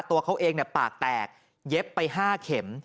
ตัวเขาเองปากแตกเย็บไป๕เข็ม